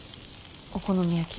お好み焼き。